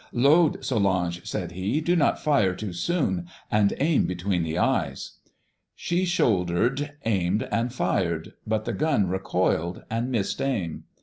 "'Load, Solange,' said he. 'Do not fire too soon, and aim between the eyes.' "She shouldered, aimed, and fired, but the gun recoiled and missed aim.